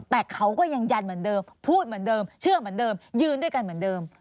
แต่เขาก็ยังยันเหมือนเดิมพูดเหมือนเดิมเชื่อเหมือนเดิมยืนด้วยกันเหมือนเดิม